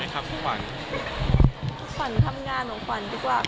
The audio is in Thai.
ขวัญทำงานของขวัญดีกว่า